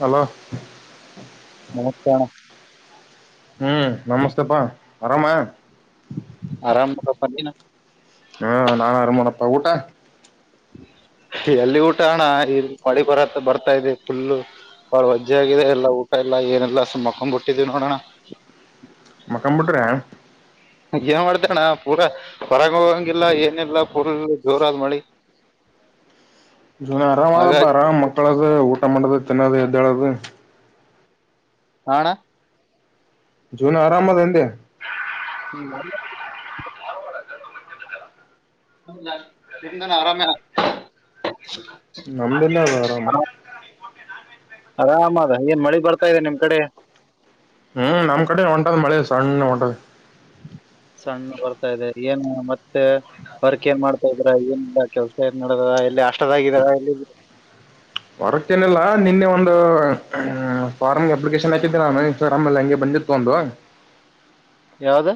Hello ನಮಸ್ತೆ ಅಣ್ಣ ಹ್ಮ್ ನಮಸ್ತೆಪ್ಪಾ ಆರಾಮಾ ಆರಾಮ ಮಾಡಿನ ಪ್ಪಾಗಟ ಎಲ್ಲಿ ಊಟ ಅಣ್ಣ ಈಲ್ಲಿ ಮಡಿ ಬರ ಬರ್ತಾ ಇದೆ ಫುಲ್ಲ ಅವಾಳ ವಜ್ಜ ಆಗಿದೆ ಎಲ್ಲಾ ಊಟ ಇಲ್ಲ ಏನಿಲ್ಲಲ್ಲ ಸ ಮಕ್ಕಕೊಂಡ್ಂಬ ಬಿಟ್ಟಿದೀವಿ ನೋಡೋಣ ಮಕ್ಕಂಂಬಟರ ಏನ್ ಮಾಡ್ತಣ್ಣ ಪೂರಾ ಹೊರಗ ಹೋಗಂಗಿಲ್ಲ ಏನಿಲ್ಲ ಪೂರ ಜೋರ ಆದ್ ಮಳಿ ಹ ಜನ ಅರಾಮ್ ಅದಪ್ಪ ಹಾಗಾಗಿ ಆರಾಮ್ ಮಕ್ಕಳದು ಊಟ ಮಾಡೋದು ತಿನ್ನೋದು ಎದ್ದೇಳದು ಹಣ ಜೂನ್ ಆರಾಮದಂದೆ ಹ್ಮ್ ನಿಮ್ದಾನ ಆರಾಮೇ ನಮ್ದೆಲ್ಲಾ ವೇರಾಮ ಆರಾಮ ಅದ ಏನ್ ಮಳೆ ಬರ್ತಾ ಇದೆ ನಿಮ್ ಕಡೆ ಹ್ಮ್ ನಮ್ ಕಡೆ ಒಂಟದ್ ಮಳೆ ಸಣ್ಣ ಹೊಂಟದ ಸಣ್ಣ ಬರ್ತಾ ಇದೆ ಏನು ಮತ್ತೆ ವರ್ಕ್ ಏನ್ ಮಾಡ್ತಾ ಇದ್ರ ಏನ ಕೆಲ್ಸ ಏನ್ ನಡದ ಎಲ್ಲ ಕಷ್ಟದಾಗಳ ಎಲ್ಲಿ ಹೊರಕ್ಕೇಏನೆಲ್ಲಾ ನಿನ್ನೆ ಒ ಒಂದು ಫಾರ್ಮ್ಗೆ ಅಪ್ಲಿಕೇಶನ್ ಹಾಕಿದ್ದೆಿ ನಾನು ಇನ್ಸ್ಟಾಗ್ರಾಮ್ ಅಲ್ಲಿ ಹಂಗೆ ಬಂದಿತ್ತು ಒಂದು ಜ ಯಾವ್ದ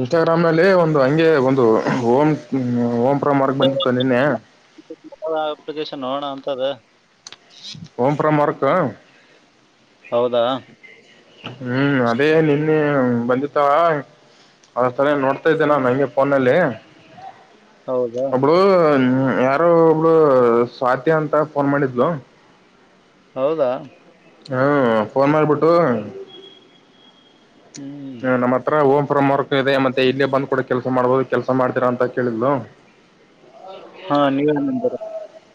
ಇನ್ಸ್ಟಾಗ್ರಾಮ್ ನಲ್ಲಿ ಒಂದು ಹಂಗೆ ಒಂದು ಓಂ ಓಂ ಮಾಡ ಬಿತ್ತು ನಿನ್ನೆ ತದ ಹೋಮ ಫ್ರಮ್ ವರ್ಕ ಹೌದಾ ಹ್ಮ್ ಅದೇ ನಿನ್ನೆ ಬಂದಿತ್ತಾವ ಸರಿ ನೋಡ್ತಾ ಇದ್ದೇ ನ ನಂಗೆ ಫೋನಲ್ಲಿ ಹೌದಾ ಒಬ್ಳ ಹ್ಮ ಯಾರು ಒಬ್ಳು ಸ್ವಾತಿ ಅಂತ ಫೋನ್ ಮಾಡಿದ್ಲು ಹೌದಾ ಹ್ಮ್ ಫೋನ್ ಮಾಡಬಿಟ್ಟು ಹ್ಮ್ ನಮ್ಮ ಹತ್ರ ಓ ಫ್ರಮ್ ವರ್ಕ್ ಇದೆ ಮತ್ತೆ ಇಲ್ಲೇ ಬಂದು ಕೂಡ ಕೆಲಸ ಮಾಡ್ಬಹುದು ಕೆಲಸ ಮಾಡ್ತೀರಾ ಅಂತ ಕೇಳಿದ್ಲು ಹಾ ನೀವೇ ನಂಬರ್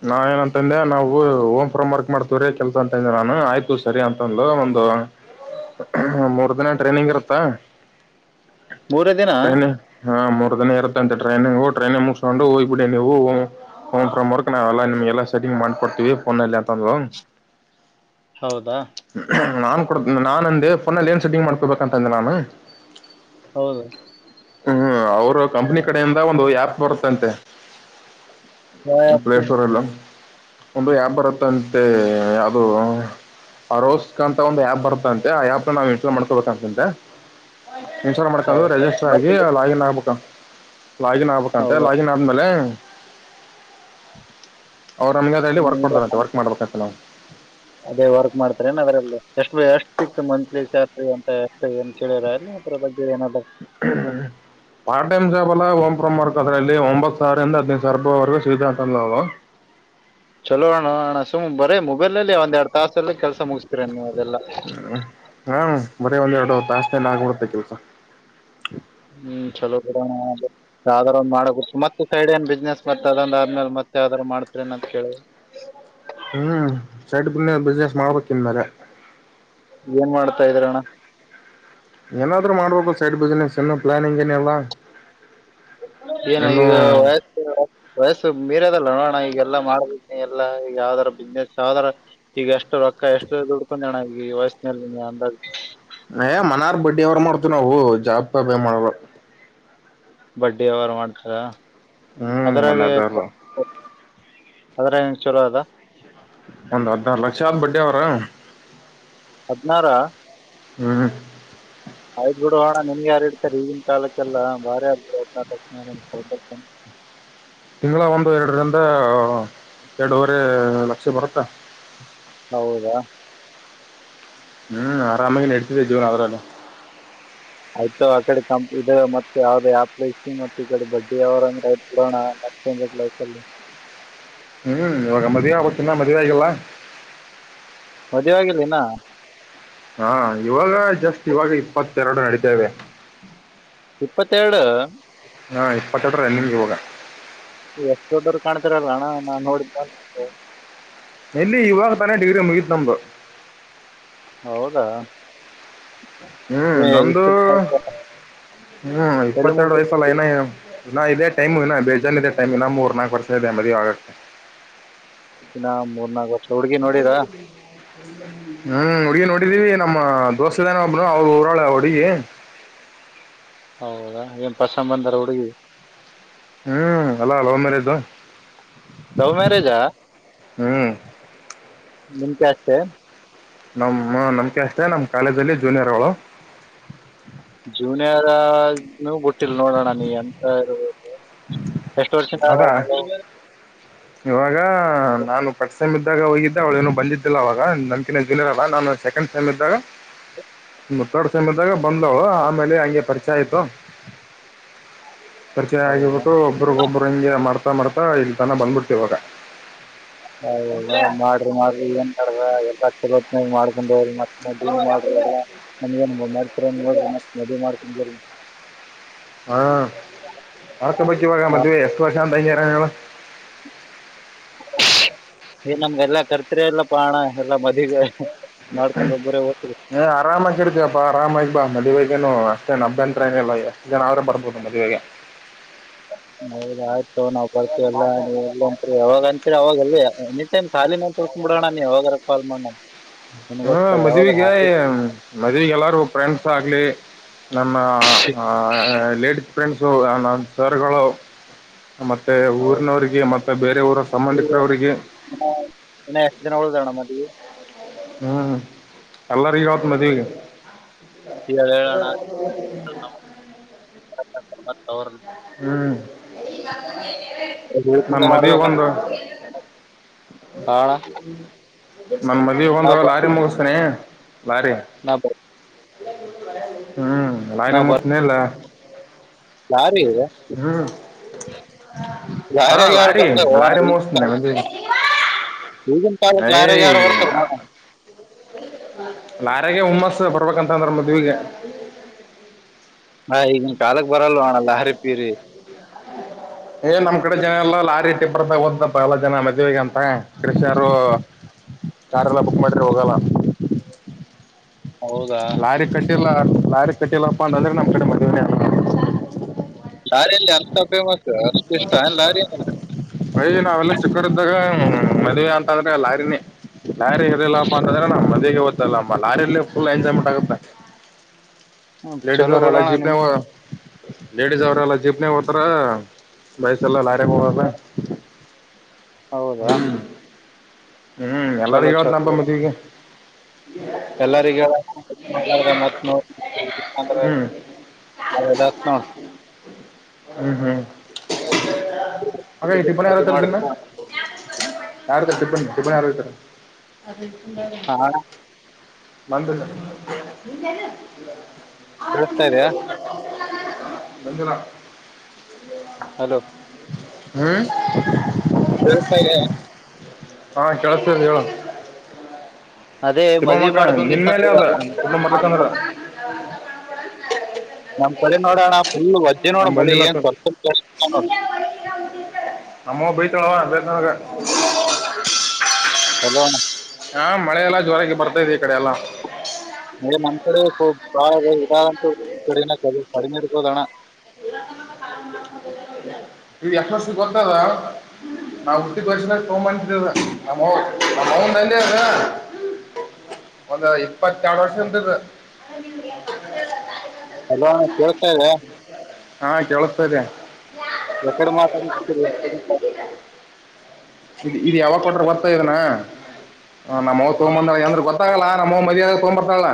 ನಾ ಏನಂತಂದೆ ನಾವು ಹೋಮ್ ಫ್ರೋ್ ವರ್ಕ್ ಮಾಡ್ತೀವ್ರೀ ಕೆಲ್ಸ ಅಂತಂದೆ ನಾನು ಆಯ್ತು ಸರಿ ಅಂತಂದಂದು ಒಂದು ಮೂರ್ ದಿನ ಟ್ರೈನಿಂಗ್ ಇರುತ್ತಾ ಮೂರ ದಿನ ಟ್ರೈನ್ ಹಾ ಮೂರ್ ದಿನ ಇತ್ತಂತೆ ಟ್ರೈನಿಂಗ ಟ್ರೈಿ್ ಮುಗಸ್ಕೊಂಡು ಹೋಗ್ಬಿಡಿ ನೀವುಫ್ರಮರ್ ನ ಎಲ್ಲಾ ನಿಮ್ಗೆ ಎಲ್ಲ ಸೆಟಿಂಗ್ ಮಾಡ್ಕೊಡ್ತೀವಿ ಫೋನ್ ಅಲ್ಲಿ ಅಂತಂದ್ ಹೌದಾ ನಾನ್ ಕೊಡ ನಾನ ಅಂದೆ ಫೋನಲ್ಲಿ ಏನ್ ಸೆಟ್ಟಿಂಗ್ ಮಾಡ್ಕೊಬೇಕಂತಂದೆ ನಾನು ಹೌದು ಹ್ಮ್ ಅವ್ರ ಕಂಪನಿ ಕಡೆಯಿಂದ ಒಂದು ಆಪ್ ಬರುತ್ತಂತೆ ಪ್ಲೇ ಯಾವತ್ತು ಸ್ಟೋರ್ ಎಲ್ಲ ಒಂದು ಯಬ್ ಬರುತ್ತಂತೆ ಯಾವ್ದೋ ಆರೋಸ್ಕ್ ಅಂತ ಒಂದು ಆ್ಯಪ್ ಬರುತ್ತ ಅಂತೆ ಆ ಆ್ಯಪ್ನ ನಾವ್ ಇನ್ಸ್ಟಾಲ್ ಮಾಡ್ಕೊಳ್ಬೇಕಂತಂತೆ ಇನ್ಸ್ಟಲ್ ಹೌದಾ ಮಾಡ್ಕು ೆಜಿಸ್ಟರ್ ಆಗಿ ಬರ್ತದೆ ಲಾಗಿನ್ ಆಗ್ಬೇಕ ಲಾಗಿನ್ ಆಗ್ಬೇಕಂತೆ ಹೌದಾ ಲಾಗಿನ್ ಆದ್ಮೇಲೆ ಅವ್ರು ನಮ್ಗೆ ಅದ ಹೇಳಲ್ಲಿ ವರ್ಕ್ ನಿಮ್ಗೆ ಮಾಡತಾರಂತೆ ವರ್ಕ್ ಮಾಡ್ಬೇಕಂತ ನಾವು ಅದೇ ವರ್ಕ್ ಮಾಡ್ತಾರೆನ ಅದ್ರಲ್ಲಿ ಎಷ್ಟು ಎಷ್ಟು ಸಿಕ್ತು ಮಂತ್ಲಿ ಸ್ಯಾಲ್ರಿ ಅಂತ ಎಷ್ಟು ಏನ್ ಕೇಳರಲ್ಲ ಅದ್ರ ಬಗ್ಗೆ ಏನಾದ್ರು ಪಾರ ಟೈಮ ಜ ಲ ಓಂ ಪ್ರಮಾರ್ಕ್ ಅದ್ರ ಇಲ್ಲಿ ಒಂಬತ್ತು ಸಾವಿರದಂದ ಹದ್ದು ಸಾವಿರವರೆಗ ಸ್ಧಾಂತಲ್ಲವು ಚಲೋ ಅಣ್ಣ ಅಣ ಸುಮ್ರೇ ಮೊಬೈಲ್ಲ್ಲಿ ಒಂದ ಎರಡ್ ತಾಸಲ್ಲಿ ಕೆಸ ಮುಗ್ತೀರ ನೀ ಹ್ಮ್ ಹ್ಮ ಬರೀ ಒಂದ್ರಡು ತಾಸ್ತೇಲ್ಲ ಆಗ್ಬಡ್ತ್ತೆ ಕೆಲ್ಸ ಹ್ಮ್ ಚಲೋ ಕರೋ ಯಾವುದರ ಮಾಡೋಗೋ ಮತ್ತ ಸೈಡ್ ನ್ ಬಿಸ್ನೆಸ್ ಮತ್ತೆ ಅದ್ ಆದ್ಮೇಲೆ ಮತ್ತ ಯಾವ್ದಾರರು ಮಾಡ್ತರಿನ ಅಂತ ಕೇಳಿ ಹ್ಮ್ ಸಡ್ ಪುಣ ಬಿಸ್ನೆಸ್ ಮಾಡ್ಬೇಕಕ್ನ್ ಇನ್ ಮೇಲೆ ಏನ್ ಮಾಡ್ತಾ ಇದ್ದೀರಣ್ಣ ಏನಾದ್ರು ಮಾಡ್ಬೇಕು ಸೈಡ್ ಬಿಸ್ನೆಸ್ ಏನು ಪ್ಲಾನಿಂಗ್ ಏನಲ್ಲಾ ಏನು ಈಗ ವಯಸ್ಸು ವಯಸ್ಸು ಮೀರದಲ್ಲ ನೋಡೋಣ ಈಗ ಎಲ್ಲ ಮಾಡ್ಬೇಕನ ಎಲ್ಲಾ ಈಗ ಯಾವ್ದಾರ ಬಿಸ್ನೆಸ್ ಯಾವದಾರ ಈಗ ಎಷ್ಟು ರೊಕ್ಕ ಎಷ್ಟು ದುಡ್ಕೊಂಡೋಣ ಪ್ರಶ್ನೆಲ್ಲಿ ನೀ ಅ ಏ ಮನಾರ್ ಬಡ್ಡಿ ಅವರ ಮಾಡ್ತ ನಾವು ಜಾಬ್ ಮಾಡ್ರ ಬಡ್ಡ ಅವರ್ ಮಾಡ್ತಾರ ಹ್ಮ್ ಮನ್ನದರ ಅದ್ರ ನು ಚಲೋ ಅದಾ ಒಂದ್ ಹದ್ನಾರು ಲಕ್ಷ ಆದ ಬಡ್ಡ ಅವರ ಹದಿನಾರ ಹ್ಮ್ ಆಯ್ತ್ ಬಿಡು ಹಣ್ಣ ನಿನ್ ಯಾರು ಇಡ್ತಾರೆ ಈಗಿನ ಕಾಲಕ್ಕೆಲ್ಲ ಬಾರಾರಿ ಅನಾಟಲ್ಪ [unintelligible] ತಿಂಗಳ ಒಂದು ಎರಡರಿಂದ ಎರಡೂವರೆ ಲಕ್ಷ ಬರುತ್ತಾ ಹೌದಾ ಹ್ಮ್ ಆರಾಮಾಗಿ ನಡತಿದ್ದೆ ಜೀವನ್ ಅವ್ರಲ್ಲ ಆಯ್ತು ಆ ಕಡೆ ಕಂ ಇದ ಮತ್ತೆ ಯಾವ್ದ ಆಪ್ ಮತ್ತ ಈ ಕಡೆ ಬಡ್ಡಿ ಅವ್ರಂದೋಣ ಅಪ್ಲ [unintelligible] ಹ್ಮ್ ಇವಾಗ ಮದ್ವೆ ಆಗತ್ತಿನ ಮದ್ವೆ ಆಗಲ್ಲ ಮದುವೆ ಆಗರ್ನಾ ಹಾ ಇವಾಗ ಜಸ್ಟ್ ಇವಾಗ ಇಪ್ಪತ್ತೆರಡು ನಡೀತೇವೆ ಇಪ್ಪತ್ತೆರಡು ಹಾ ಇಪ್ಪಚ ಟ್ರನ್ನಲ್ಲಿ ಹೋಗಾ ಇದ್ರಲ್ಲ ಅಣ ನಾ ನೋಡ ಬು ಇಲ್ಲಿ ಯುುವಾಗ ತಾನೇ ಡಗ್ರಿ ಮುಗತ್ ನಮ್ದು ಹೌದಾ ಹ್ಮ್ ಏ ನಮ್ದು ಇಷ್ಟು ಹ್ಮ್ ತಲೆ ಇಪ್ಪತ್ತೆರಡು ವಯಸಲ್ಲ ಏನ ನಾ ಇದೇ ಟೈಮ್ ಇ ಬೇಜಾರನ್ ಇದೆ ಟೈಮ್ ಇ ಮೂರ್ ನಾಲ್ಕು ವರ್ಷ ಇದೆ ಮದುವೆ ಆಗತ್ತೆ ದಿನ ಮೂರ್ನಾಲ್ಕು ವರ್ಷ ಹುಡ್ಗಿ ನೋಡೀರಾ ಹ್ಮ್ ಹುಡುಗಿ ನೋಡಿದೀವಿ ನಮ್ಮ ದೋಸ್ತದಾನ ಒಬ್ನು ಅವರು ಊರಾಳ ಹುಡುಗಿ [unintelligible] ಹೌದಾ ಏ ಪಸಬಂದರ ಹುಡುಗಿ ಹ್ಮ್ ಅಲ್ಲಾ ಲವ್ ಮ್ಯಾರೇಜ್ ಲವ್ ಮ್ಯಾರೇಜಾ ಹ್ಮ್ ನಿಮ ಕಾಸ್ಟ್ ನಮ ನಮ್ಕೆ ಅಷ್ಟೇ ನಮ್ ಕಾಲೇಜ ಅಲ್ಲಿ ಜೂನಿಯರ್ಗಳು ಜೀವನಾರೂ ಬುಟ್ಟಿಲ್ಲ ನೋಡೋಣ ನೀ ಅ ಹ್ಮ್ ಎಷ್ಟು ವರ್ಷ [unintelligible] ಇವಾಗ ನಾಲಕ ಪರ್ಸೆಂಟ್ ಇದ್ದಾಗ ಹೋಗಿದ್ದೆ ಅವಳ ಏನನು ಬಂದಿದ್ದಿಲ್ಲ ಅವವಾಗ ನನ್ಂತ ಜುನಿಯರ್ ಅಲ್ಲ ನಾನು ಸೆಕೆಂಡ ಸೆಮ್ ಇದ್ದಾಗ ಮುತ್ತಾಡ್ ಸಮಯದಾಗ ಬಂದವಳು ಆಮೇಲೆ ಹಂಗೆ ಪರಿಚಯ ಆಯ್ತು ಪರಿಚಯ ಹೌದಾ? ಆಗಿಬಿಟ್ಟು ಒಬ್ರಗೊಬ್ಬರು ಹಂಗೆ ಮಾಡ್ತಾ ಮಾಡ್ತಾ ಇಲ್ತನ ಬಂದ್ಬಿಡ್ತಿವಾಗ ಹೌ ಮಾಡ್ರಿ ಮಾಡ್ರಿ ಏನ್ ಮಾಡ ಎಲ್ಲ ಚಲತ್ ಮಾಡ್ಕೊಂಡ್ ಹ್ರತ್ತ ನಗನ್ ಮಾಡ್ತರ ನೋ ಮದುವವಿ ಮಾಡ್ತ ಹಾ ಆಕ ಬಕ್ ಇವಾಗ ಮದವೆ ಎಷ್ಟು ವರ್ಷ ಅಂತ ಹ ಏ ನಮ್ಗೆ ಎಲ್ಲಾ ಕರೀತಿರಿ ಎಲ್ಲ ಪಾ ಅಣ್ಣ ಎಲ್ಲಾ ಮದಿವಿಗೆ ಹ ಆರಾಮಾ ಅನಸಿರಾಟಿವ ಪಾ ಅರಾಮ ಮದುವಗೇನು ಅಷ್ಟೇ ಅಭ್ಯಂತರ ಏನ ಏನಿಲ್ಲ ಎಷ್ಟು ಜನ ಆದ್ರೂ ಬರ್ಬೋದು ಮದುವೆಗೆ ಬರ್ ಯಾವಾಗ ಅನ್ ಅವಾಗ ಅಲ್ಲಿ ಎನಿಟೈಮ್ ಖಾಲಿ ನನ್ ತಳ್ಸ್ಕ್ ಬಿಡೋಣ ನೀ ಯಾವಾಗರ ಕಾಲ್ ಮಾಡಣ ಹ್ಮ ಮದವಿ ಗ ಮದವಿಗೆಲ್ಲಾರು ಫ್ರೆಂಡ್ಸ್ ಆಗ್ಲಿ ನಮ್ಮ ಲೇಡಿಸ್ ಫ್ರೆಂಡ್ಸು ನಮ್ಮ ಸರ್ ಗಳು ಮತ್ತೆ ಹೌದು ಊರಿನವರಿಗೆ ಮತ್ತೆ ಬೇರೆ ಊರ ಸಂಬಂಧಿಕರವರಿಗೆ ಇನ ಎಷ್ಟು ದಿನ ಉಳದವ ಅಣ್ಣಾ ಮದವಿ ಹ್ಮ್ ಎಲ್ಲ ಪರಿರಾತ್ ಮದ [unintelligible] ಹೇಳೋಣ ತ ಅವ್ರ ಹ್ಮ್ ನಮ್ಮ ಅವ್ರನ್ನ ಮದ್ವಿಗ ಮಾಡ್ಬೇಕಣ ಒಂದು ಕಾರಣ ನಮ್ಮ ಮದ್ವೆ ಒಂದ ನಾವ್ ಬ- ಲಾರಿ ಮುಗಿಸ್ತೇನಿ ಲಾರಿ ನಾವ್ ಬ- ಹ್ಮ್ ಲಾರಿ ಮುಗಸತಾನೆ ಲಾರಿ ಲಾರಿಗೆ ಹಾ ಲಾರಿ ಲಾರಿ ಮೋಸ್ಂದ ಮಂದ ಈಗಿನ ಕಾಲಕ ಲಾರೆಗ ಯಾರ ಬರ್ತರ ಲಾರಗೆ ಹುಮ್ಮಸ್ ಬರ್ಬೇಕಂತಂದ್ರ ಮದ್ವಿಗೆ ಹಾ ಈಗಿನ ಕಾಲಕ್ ಬರಲ್ವ ಅಣ ಲಾರಿ ಪೀರಿ ಏ ನಮ್ ಕಡೆ ಜನ ಎಲ್ಲ ಲಾರಿ ಟಿಪ್ಪರ್ದಾಗ ಓದ್ದಪ್ಪ ಎಲ್ಲ ಜನ ಮದ್ವಗ ಅಂತ ಕೃಷಿಯರು ಕಾರೆಲ್ಲ ಬುಕ್ ಮಾಡಿದ್ರೆ ಹೋಗಲ್ಲ ಹೌದಾ ಲಾರಿ ಕಟ್ಟಿಲ್ಲ ಲಾರಿ ಕಟ್ಟಿಲ್ಲಪ್ಪ ಅಂದಂದ್ರೆ ನಮ್ ಕಡೆ ಮದುವನೆ ಆಗಲ್ಲ ಲಾರಿಯಲ್ಲಿ ಅರ್ಥ ಫೇಮಸ್ ಅಷ್ಟು ಇಷ್ಟ ಅನ್ ಲಾರಿಯ ಮಾಡೀವಿ ನಾವೆಲ್ಲಾ ಚಿಕ್ಕರಿದ್ದಾಗ ಮದ್ವೆ ಅಂತಾದ್ರೆ ಲಾರಿನೇ ಲಾರಿ ಇರಲಿಲ್ಲಪ್ಪ ಅಂತಂದ್ರೆ ನಮ್ಮ ಮದ್ಗೆ ಗೊತ್ತಲ್ಲ ಲಾರಿಯಲ್ಲಿ ಫುಲ್ ಎಂಜಾಯ್ಮೆಂಟ್ ಆಗುತ್ತೆ ಹ್ಮ್, ಲೇಡಿಸ್ ಚಲೋ ಅವರ ಅಲ್ಲ ಬಿಡೋಣ ನಿಮ್ ಜೀಪ್ನೇಗಾ ಲೇಡೀಸ್ ಅವ್ರೆಲ್ಲ ಜೀಪ್ನ ಹಓತಾರ ಬೈಕ ಎಲ್ಲ ಲಾರಿಗೆ ಹೋಗಬೇಕ ಹೌದಾ ಹ್ಮ್ ಎಲ್ಲಾರೂ ಚಲೋ ಹೇಳತ್ ನಪ ಮದ್ವಿಗೆ ಎಲ್ಲರಿಗ ಮತ್ ನ್ರ ಹ್ಮ್ [unintelligible] ಸದ [unintelligible] ಹ್ಮ್ ಹ್ಮ್ ಹಾಗ ಈ ಟಿಪ್ಪಣ ಯಾರ ಅದು ಐತಾರದನ್ನ ಮಾಡ್ಕೊ ಯಾರ ಟಿಪ್ಪನ್ ಟಿಪ್ಪಣ ಯಾರು ಐತಾರ ಹಾ, ಅಣ್ಣ ಬಂದ ಕೇಳಿಸ್ತಾ ಇದೆಯಾ [unintelligible] ಹಲೋ ಹ್ಮ್ ಹೆಲ್ಪಲ್ಯಾ ಹಾ ಕೆಲ್ಸತ್ತಿದೆ ಹೇಳ ಅದೇ ಮದ್ವಿ ಇಪ್ಪಮ್ಮಕ್ಕ ನಿನ್ ಮಾಡ್ಕೊಂಗಿತ್ತ ಮೇಲೆ ಅದ ಕುಟುಂಬ ಮರ್ಲ ಚಂದ್ರ. ನಮ ಕಡೆ ನೋಡೋಣ ಫುಲ್ ವಜ್ಜೆ ನೋಡ ನಮ್ ಮಿ ಬಂದಿಲ್ಲ ಏನ್ ಅಷ್ಟ ಕ ನೋ ನಮ್ಮಅವ್ವ ಬೈತಾಳವಾ ಬೇನಳಗ ಹಲೋ ಅಣ್ಣ ಹಾ ಮಳೆಲ್ಲ ಜೋರಾಗಿ ಬರ್ತಾದೆ ಈ ಕಡೆ ಎಲ್ಲ ನೆ ನಮ್ ಕಡೆ ಬಾಳ ಇದಾದಂತೂ್ ಕಡೆ ಕಡಿಮೆ ಇರತದ ಅಣ್ಣ ಇವ ಎಷ್ಟಷ್ಟಿ ಗೋತದಾ [inaudible] ನಾವು ಹುಟ್ಟಿ ಬರ್ಸಿನ ತಗೊಂತಿದ ನಮ್ಮ ಅವ್ವ ನಮ್ಮ ಅವ್ವದ ಅಂದೆ ಅದ. ಒಂದ ಇಪ್ಪತ್ತೆರಡು ವರ್ಷ ಎಂತ್ದ ಅಲ್ಲ ಕೇಳ್ತಾ ಇದ್ದ ಹಾ ಕೇಳಸ್ತದೆ. ಎಡೆ ಮಾತಾಡ ಎ [unintelligible] ಇ ಇದು ಯಾವಾಗ ಕೊಟ್ರ ಗೊತ್ತಾ ಇದನ್ನ ನಮ್ ಅವ್ವ ತಗೊ ಬಂದಾಳ ಅಂದ್ರ ಗೊತ್ತಾಗಲ್ಲಾ ನಮ್ಮ್ವ್ ಮದಾಗ ತೊಗ್ ಬರ್ತಾಳ.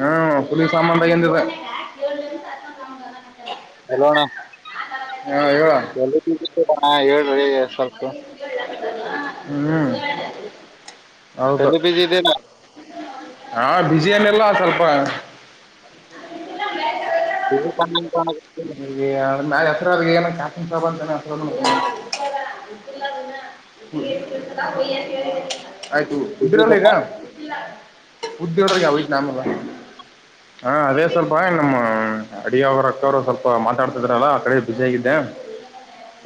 ಹ್ಮ್ ಪುಲೀಸ್ ಸಾಮನ್ ಎಂದಿದೆ. ಹಲ್ಲೋಣ ಹಾ ಹೇಳ ಹೇಳ್ರಿ ಸ್ವಲ್ಪ. [inaudible] [unintelligible] ಹಾ ಬಿಸಿಹೇನಿಲ್ಲ ಸ್ವಲ್ಪ. [inaudible] ಈ ನಾ ಹೆಸರ ಕಾಾಸನ್ ಸಾಬ ಅಂತ ಹಸ. [unintelligible] ಆಯ್ತು ಉದ್ದಿರ್ರ ಇದೆ ಈಗ ಉದ್ದಿಡಗೆ ಯಾವೈತ ನಾಮಲ್ಲ. ಹಾ ಅದೇ ಸ್ವಲ್ಪ ನಮ್ಮ ಅಡಿಯಾವರ. ರು ಸ್ವಲ್ಪ ಮಾತಾಡ್ತಿದಾರಲ್ಲ ಆ ಕಡೆ ಬಿಸಿ ಆಗಿದ್ದೆ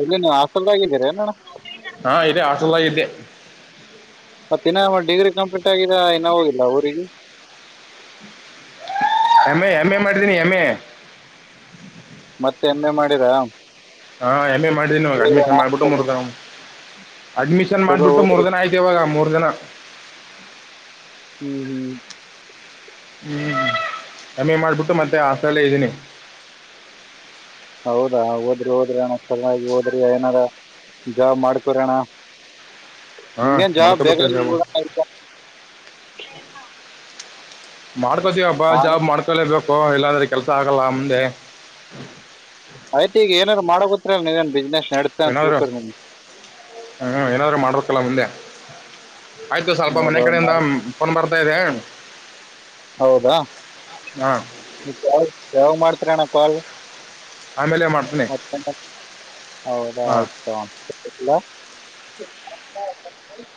ಇಲ್ಲಿ ಹಾಸನದಾಗಿಧಿರಹೆಣನ ಇದೇ ಹಾಸನಲಿದೆ. ಮತ್ತೆ ಇನ್ನ ಬಿಟ್ಟಾಗಿದ್ದ ಇನ ಹೋಗಿಲ್ಲ ಊರಿಗೆ. ಎಮ್ ಎ ಎಮ್ ಎ ಮಾಡಿದ್ದೀನಿ ಎಮ್ ಎ. ಮತ್ತೆ ಎಮ್ ಎ ಮಾಡಿರಾ. ಹಾ ಎಮ್ ಎ ಮಾಡಿದೀನಿವಾಗ ಅಡ್ಮಿಷನ್ ಮಾಡ್ಬಿಟ್ಟು ಮೂರ್ತ ಅಡ್ಮಿಷನ್ ಚಲೋ ಮಾಡಿಬಿಟ್ಟು ಮೂರ್ ಜನ ಆಯ್ತು ಇವಾಗ ಮೂರ್ ಜನ. ಹ್ಮ್ ಹ್ಮ್. ಹ್ಮ್ ಕಮ್ಮೆ ಮಾಡ್ಬಿಟ್ಟು ಮತ್ತೆ ಹಾಸನ ಇದ್ದೀನಿ. ಹೌದಾ ಹೋದ್ರಿ ಹೋದ್ರಿಣಲಾಗಿ ಹೋದ್ರಿ ಏನಾರ ಜಾಬಮಾಡ್ಕೊರೋಣ. ಹಾ ನಿ ಜಾವ ಬೇಗ ಮಾಡ್ಕೋಬೇಕ ಜಾಬ್ ಮಾಡ್ಕೊತೀವಬಾ ಜಾಬ್ ಮಾಡ್ಕೊಲೇಬೇಕು ಇಲ್ಲಾಂದ್ರೆ ಕೆಲಸ ಆಗಲ್ಲ ಮುಂದೆ. ಆಯ್ತ ಈಗ ಏನಾದ್ರು ಮಾಡ ಗುತ್ರರ ನೀ ಇದೇನ್ ಬಿಸ್ನೆಸ್. ನಡೀತಾ ಅಂತ ಏನಾದ್ರು ತಿಳ್ಕೊರಿ ನಿಮ್ಗೆ ಹ್ಮ ಏನಾದ್ರು ಮಾಡ್ಬೇಕಲ್ಲ ಮುಂದೆ. ಆಯ್ತು ಸ್ವಲ್ಪ ಮನೆ ಹೌದಾ ಕಡೆಯಿಂದ ಫನ್ ಬರ್ತಾ ಇದೆ ಹೌದಾ ಹಾ ಕಾಲ್ ಯಾವ ಮಾಡ್ತರಣ ಕಾಲ್ ಆಮೇಲೆ ಮಾಡ್ತೀನಿ ಮತ್ತ ಹೌದಾ ಹಾ ಆಯ್ತು ಇಡ್ಲಾ. [unintelligible]